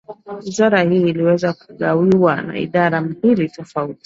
Wizara hii iliweza kugawiwa na Idara mbili tofauti